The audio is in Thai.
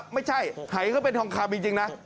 ไม่ใช่หายก็เป็นทองคำจริงนะ